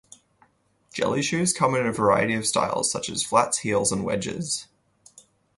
Jelly shoes come in a variety of styles such as flats, heels and wedges.